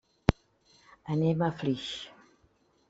Anem a Flix.